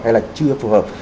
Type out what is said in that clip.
hay là chưa phù hợp